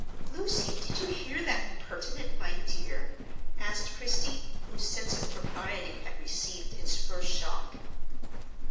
"Lucy, did you hear that impertinent 'my dear'?" asked Christie, whose sense of propriety had received its first shock.